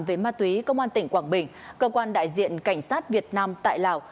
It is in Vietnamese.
về ma túy công an tỉnh quảng bình cơ quan đại diện cảnh sát việt nam tại lào